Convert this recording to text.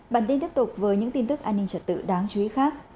bản tin tiếp tục với những tin tức an ninh trật tự đáng chú ý khác